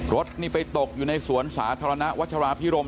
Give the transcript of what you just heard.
รถนี่ไปตกอยู่ในสวนสาธารณะวัชราพิรม